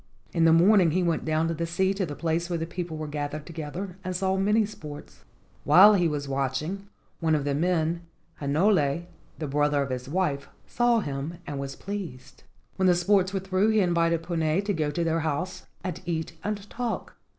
In the morning he went down to the sea to the place where the people were gathered together and saw many sports. While he was watching, one of the men, Hinole, the brother of his wife, saw him and was pleased. iS4 LEGENDS OF GHOSTS When the sports were through he invited Puna to go to their house and eat and talk.